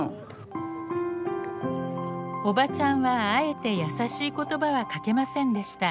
おばちゃんはあえて優しい言葉はかけませんでした。